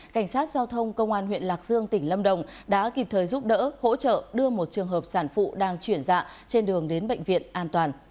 cảnh sát giao thông công an huyện lạc dương tỉnh lâm đồng đã kịp thời giúp đỡ hỗ trợ đưa một trường hợp sản phụ đang chuyển dạ trên đường đến bệnh viện an toàn